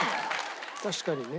確かにね。